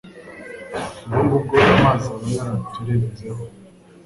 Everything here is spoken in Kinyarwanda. Ubwo ngubwo amazi aba yaraturenzeho